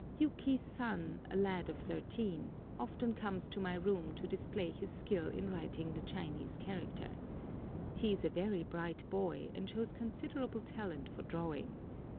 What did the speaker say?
Yuki's son, a lad of thirteen, often comes to my room to display his skill in writing the Chinese character. He is a very bright boy, and shows considerable talent for drawing.